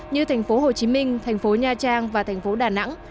như thành phố hồ chí minh thành phố nha trang và thành phố đà nẵng